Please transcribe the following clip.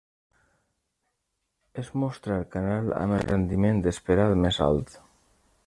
Es mostra el canal amb el rendiment esperat més alt.